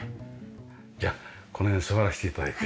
じゃあこの辺座らせて頂いて。